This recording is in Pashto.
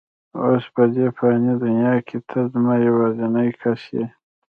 اوس په دې فاني دنیا کې ته زما یوازینۍ کس یې.